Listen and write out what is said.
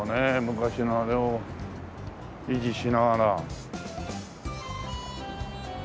昔のあれを維持しながら。